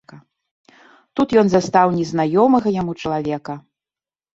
Тут ён застаў незнаёмага яму чалавека.